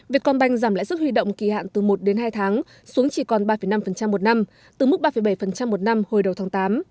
vietcombank giảm lãi suất huy động kỳ hạn từ một đến hai tháng xuống chỉ còn ba năm một năm từ mức ba bảy một năm hồi đầu tháng tám